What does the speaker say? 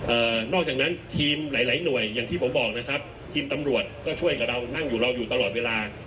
นอกจากนั้นทีมหลายหลายหน่วยอย่างที่ผมบอกนะครับทีมตำรวจก็ช่วยกับเรานั่งอยู่เราอยู่ตลอดเวลา